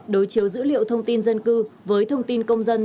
đối chiếu dữ liệu thông tin dân cư với thông tin công dân